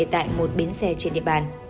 tại một biến xe trên địa bàn